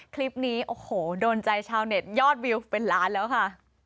คลิปนี้โอ้โหโดนใจชาวเน็ตยอดวิวเป็นล้านแล้วค่ะ